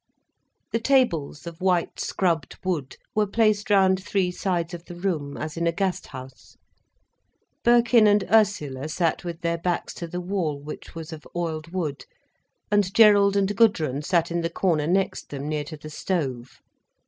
The tables, of white scrubbed wood, were placed round three sides of the room, as in a Gasthaus. Birkin and Ursula sat with their backs to the wall, which was of oiled wood, and Gerald and Gudrun sat in the corner next them, near to the stove.